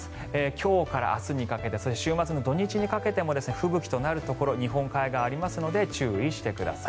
今日から明日にかけてそして週末の土日にかけて吹雪になるところ日本海側ではありますので注意してください。